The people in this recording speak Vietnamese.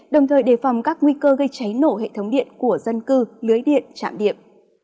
đồng thời đề phòng các nguy cơ gây cháy nổ hệ thống điện của dân cư lưới điện chạm điện